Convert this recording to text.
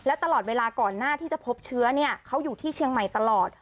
และตลอดเวลาก่อนหน้าที่จะพบเชื้อเนี่ยเขาอยู่ที่เชียงใหม่ตลอด